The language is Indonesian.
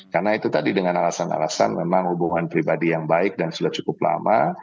karena itu tadi dengan alasan alasan memang hubungan pribadi yang baik dan sudah cukup lama